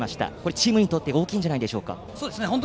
チームにとっても大きいんじゃないでしょうか。